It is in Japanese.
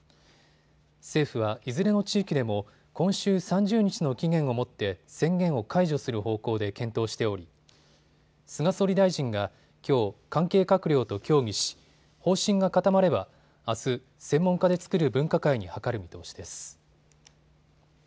政府は、いずれの地域でも今週３０日の期限をもって宣言を解除する方向で検討しており菅総理大臣がきょう、関係閣僚と協議し方針が固まればあす、専門家で作る分科会に諮る見通しです。